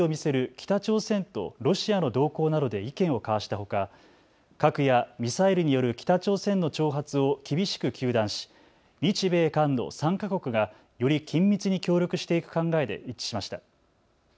北朝鮮とロシアの動向などで意見を交わしたほか核やミサイルによる北朝鮮の挑発を厳しく糾弾し日米韓の３か国がより緊密に協力していく考えで一致しました。